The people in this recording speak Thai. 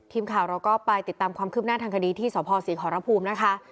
ทีมข่าวเราก็ไปติดตามความคืบหน้าทางคดีที่สพศรีขอรภูมินะคะ